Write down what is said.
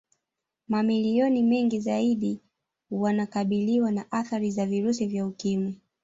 Mamilioni mengi zaidi wanakabiliwa na athari za virusi vya Ukimwi